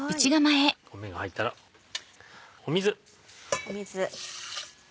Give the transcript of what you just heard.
米が入ったら水。